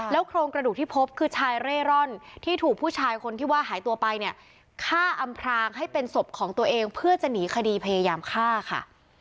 โครงกระดูกที่พบคือชายเร่ร่อนที่ถูกผู้ชายคนที่ว่าหายตัวไปเนี่ยฆ่าอำพรางให้เป็นศพของตัวเองเพื่อจะหนีคดีพยายามฆ่าค่ะ